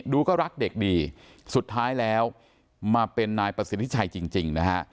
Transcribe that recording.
ดูก็รักเด็กดีสุดท้ายแล้วมาเป็นนายประสิทธิชัยจริงนะฮะ